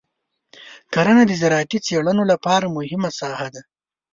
کرنه د زراعتي څېړنو لپاره مهمه ساحه ده.